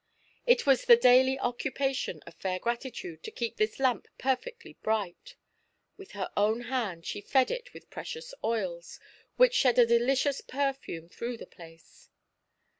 It was the daily occupation of Fair Gratitude to keep this lamp perfectly bright ; with her own hand she fed it with precious oils, which shed a delicious perfiime through the place.